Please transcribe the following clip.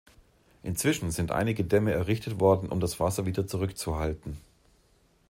Inzwischen sind einige Dämme errichtet worden, um das Wasser wieder zurückzuhalten.